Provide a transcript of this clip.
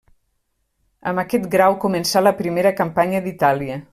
Amb aquest grau començà la primera campanya d'Itàlia.